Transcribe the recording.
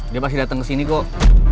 dia pasti dateng kesini kok